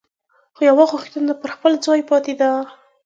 خو یوه غوښتنه پر خپل ځای پاتې ده.